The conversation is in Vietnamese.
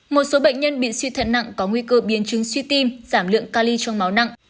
một số bệnh nhân bị suy thận nặng có nguy cơ biên chứng suy tim giảm lượng ca ly trong máu nặng